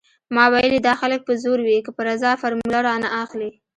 ما ويلې دا خلک په زور وي که په رضا فارموله رانه اخلي.